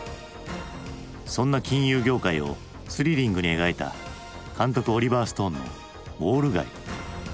そんな金融業界をスリリングに描いた監督オリバー・ストーンの「ウォール街」。